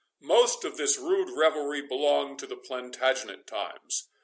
Most of this rude revelry belonged to the Plantagenet times.